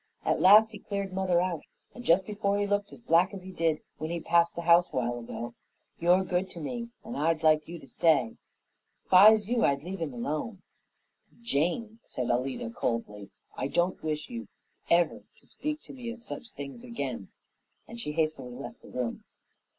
At last he cleared mother out, and just before he looked as black as he did when he passed the house while ago. You're good to me, an' I'd like you to stay. 'Fi's you I'd leave 'im alone." "Jane," said Alida coldly, "I don't wish you ever to speak to me of such things again," and she hastily left the room.